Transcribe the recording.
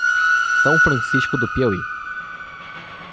São Francisco do Piauí